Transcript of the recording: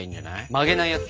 曲げないやつ。